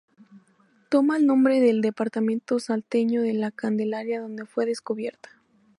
Toma el nombre del departamento salteño de La Candelaria donde fue descubierta.